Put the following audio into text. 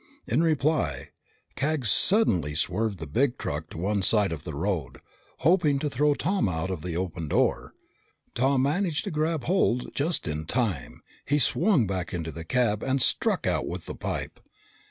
In reply, Cag suddenly swerved the big truck to one side of the road, hoping to throw Tom out of the open door. Tom managed to grab hold just in time. He swung back into the cab and struck out with the pipe.